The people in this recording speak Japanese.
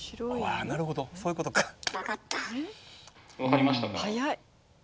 ・わかりましたか？